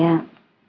ya pak bos